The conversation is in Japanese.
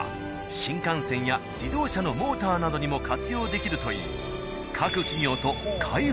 新幹線や自動車のモーターなどにも活用できるという。